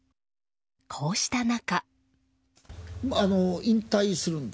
こうした中。